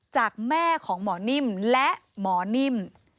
จากแม่ของหมอนิ่มและหมอนิ่ม